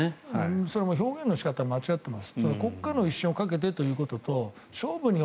それは表現の仕方を間違っています。